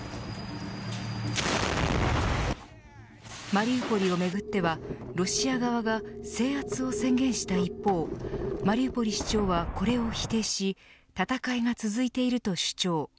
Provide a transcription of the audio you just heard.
マリウポリをめぐってはロシア側が制圧を宣言した一方マリウポリ市長はこれを否定し戦いが続いていると主張。